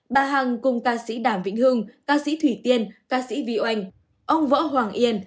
bà hằng cùng ca sĩ đàm vĩnh hưng ca sĩ thủy tiên ca sĩ vy oanh ông võ hoàng yên